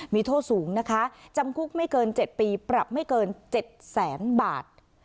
มีโทษสูงนะคะจำคุกไม่เกิน๗ปีปรับไม่เกิน๗แสนบาท